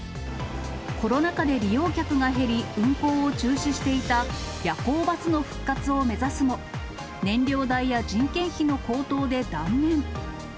コロナ禍で利用客が減り、運行を中止していた夜行バスの復活を目指すも、燃料代や人件費の高騰で断念。